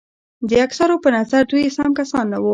د اکثرو په نظر دوی سم کسان نه وو.